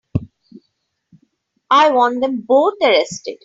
I want them both arrested.